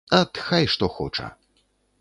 Ат, хай што хоча.